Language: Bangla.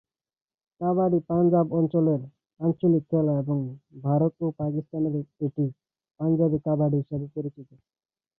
কাবাডি পাঞ্জাব অঞ্চলের আঞ্চলিক খেলা এবং ভারত ও পাকিস্তানে এটি পাঞ্জাবি কাবাডি হিসাবে পরিচিত।